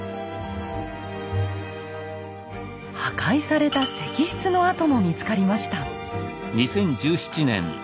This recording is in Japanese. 破壊された石室の跡も見つかりました。